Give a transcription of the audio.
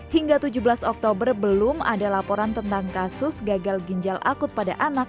hingga tujuh belas oktober belum ada laporan tentang kasus gagal ginjal akut pada anak